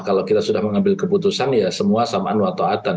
kalau kita sudah mengambil keputusan ya semua samaan wa ta'atan